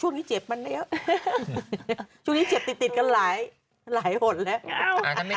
แต่ช่วงนี้เจ็บมันยัง